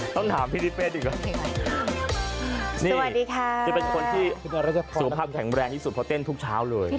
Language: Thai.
สวัสดีค่ะจะเป็นคนที่สุขภาพแข็งแรงที่สุดเพราะเต้นทุกเช้าเลย